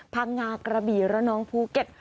พังงากระบี่ระนองภูเก็ต